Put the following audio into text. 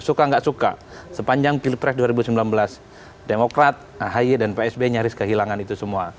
suka nggak suka sepanjang pilpres dua ribu sembilan belas demokrat ahi dan pak sb nyaris kehilangan itu semua